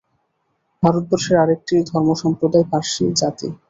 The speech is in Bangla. ভারতবর্ষের আর একটি ধর্মসম্প্রদায় পার্শী জাতি।